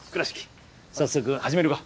早速始めるか。